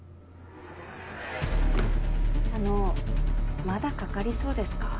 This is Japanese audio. あのまだかかりそうですか？